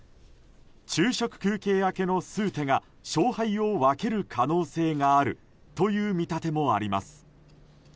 昼食休憩明けの数手が勝敗を分ける可能性があるという見立てもあります。